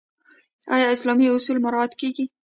آیا اسلامي اصول مراعات کیږي؟